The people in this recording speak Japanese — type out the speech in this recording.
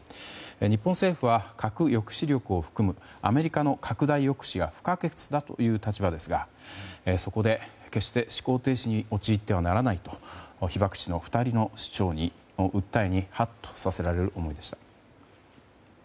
日本政府は核抑止力を含むアメリカの拡大抑止は不可欠だという立場ですがそこで決して思考停止に陥ってはならないと被爆地の２人の市長の訴えにハッとさせられる思いでした。